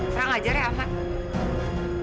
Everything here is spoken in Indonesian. serang ajar ya ahmad